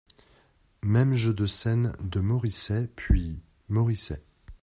Même jeu de scène de Moricet, puis, Moricet .